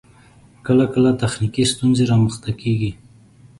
کله کله تخنیکی ستونزې رامخته کیږی